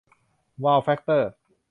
วาว แฟคเตอร์